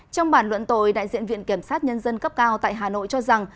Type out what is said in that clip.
trong bản luận tội đại diện viện kiểm sát nhân dân cấp cao tại hà nội cho rằng